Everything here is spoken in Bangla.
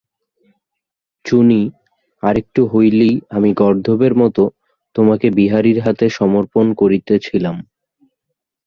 চুনি, আর-একটু হইলেই আমি গর্দভের মতো তোমাকে বিহারীর হাতে সমর্পণ করিতেছিলাম।